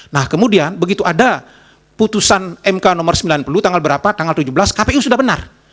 nah kemudian begitu ada putusan mk nomor sembilan puluh tanggal berapa tanggal tujuh belas kpu sudah benar